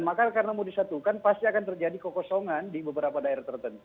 maka karena mau disatukan pasti akan terjadi kekosongan di beberapa daerah tertentu